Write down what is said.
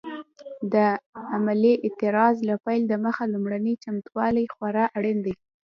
د عملي اعتراض له پیل دمخه لومړني چمتووالي خورا اړین دي.